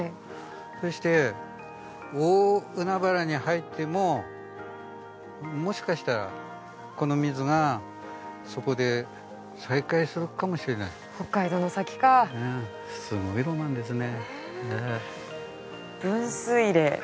そして大海原に入ってももしかしたらこの水がそこで再会するかもしれない北海道の先かいいですね